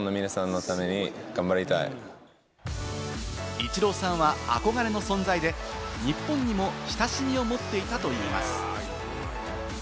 イチローさんは憧れの存在で、日本にも親しみを持っていたといいます。